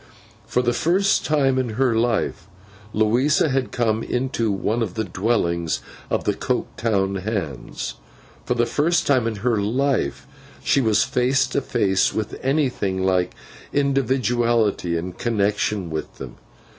For the first time in her life Louisa had come into one of the dwellings of the Coketown Hands; for the first time in her life she was face to face with anything like individuality in connection with them.